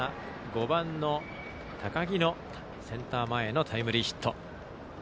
５番の高木のセンター前へのタイムリーヒット。